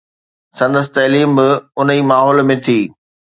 سندس تعليم به ان ئي ماحول ۾ ٿي.